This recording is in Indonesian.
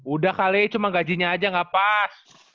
udah kali cuma gajinya aja nggak pas